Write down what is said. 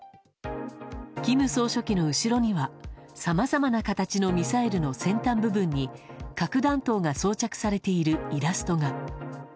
金総書記の後ろにはさまざまな形のミサイルの先端部分に核弾頭が装着されているイラストが。